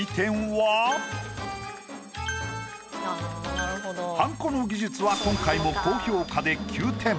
はんこの技術は今回も高評価で９点。